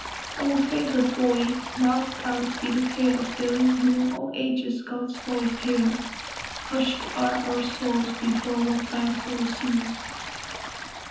O favored boy, marked out to be the peer Of those who in all ages God's voice hear, Hushed are our souls before what thy soul sees!